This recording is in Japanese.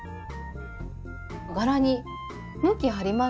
柄に向きありますよね？